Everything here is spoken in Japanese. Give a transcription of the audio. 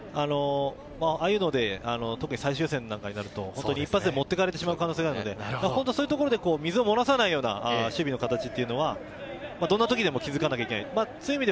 ああいうので最終予選になると一発で持って行かれてしまう可能性があるので、そういうところで水を漏らさないような守備の形というのは、どんな時にでも気付かなければならない。